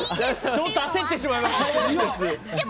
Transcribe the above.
ちょっと焦ってしまいました。